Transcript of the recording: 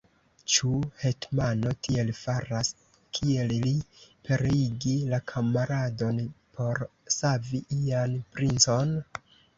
Ĉu hetmano tiel faras, kiel li: pereigi la kamaradon por savi ian princon?